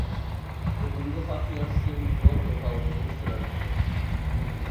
ئۆزۈمگە خاس ياشىشىم زور توسالغۇغا ئۇچرايتتى.